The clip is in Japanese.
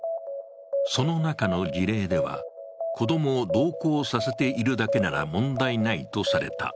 その中の事例では、子供を同行させているだけなら問題ないとされた。